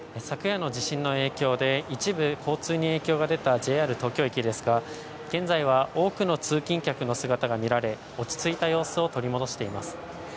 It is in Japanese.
昨夜の地震の影響で一部交通に影響が出たＪＲ東京駅ですが、現在は多くの通勤客の姿が見られ、落ち着いた様子を取り戻しています。